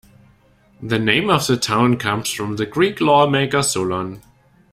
The name of the town comes from the Greek lawmaker Solon.